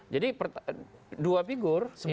jadi dua figur ini